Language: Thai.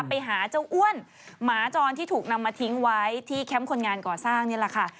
ไปหาเจ้าอ้วนหมาจรที่ถูกนำมาทิ้งไว้ที่แคมป์คนงานก่อสร้างนี่แหละค่ะ